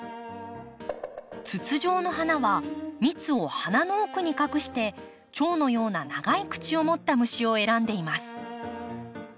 筒状の花は蜜を花の奥に隠してチョウのような長い口をもった虫を選んでいます。